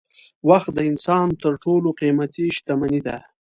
وخت د انسان تر ټولو قېمتي شتمني ده.